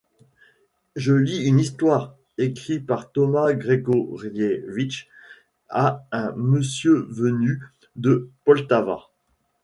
Je lis une histoire, écrite par Thomas Grégoriévitch, à un monsieur venu de Poltava.